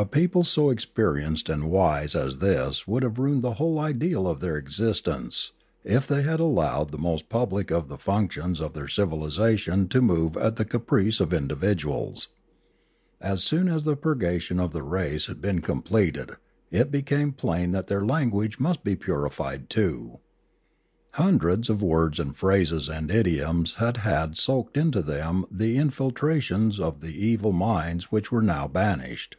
A people so experienced and wise as this would have ruined the whole ideal of their existence if they had allowed the most public of the functions of their civil isation to move at the caprice of individuals. As soon as the purgation of the race had been completed it be came plain that their language must be purified too. Hundreds of words and phrases and idioms had had soaked into them the infiltrations of the evil minds which were now banished.